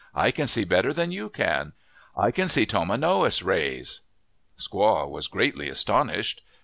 I can see better than you can. I can see tomanowos rays." Squaw was greatly astonished.